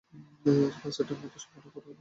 কাজটা ঠিকমতো সম্পন্ন কোরো, লয়েড।